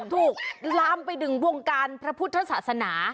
ลามไปถึงวงการพระพุทธศาสนา